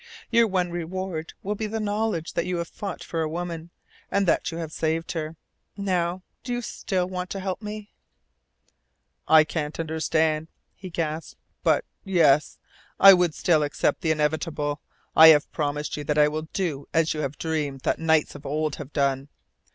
Your one reward will be the knowledge that you have fought for a woman, and that you have saved her. Now, do you still want to help me?' "I can't understand," he gasped. "But yes I would still accept the inevitable. I have promised you that I will do as you have dreamed that knights of old have done.